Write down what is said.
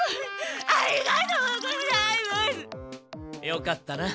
よかったな。